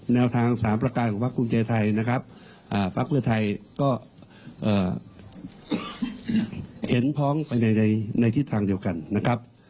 แนวทาง๓ประการของพักภูมิใจไทยนะครับพักเพื่อไทยก็เห็นพ้องไปในทิศทางเดียวกันนะครับ